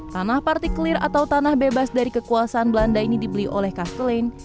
tanah partikelir atau tanah bebas dari kekuasaan belanda ini dibeli oleh castlene